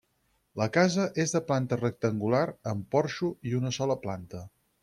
La casa és de planta rectangular amb porxo i una sola planta.